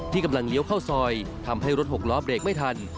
กำลังเลี้ยวเข้าซอยทำให้รถหกล้อเบรกไม่ทัน